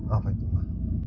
apa itu ma